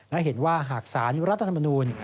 และเห็นว่าหากสารรัฐธรรมนูล